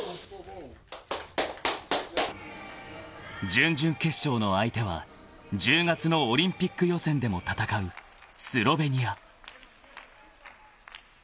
［準々決勝の相手は１０月のオリンピック予選でも戦うスロベニア］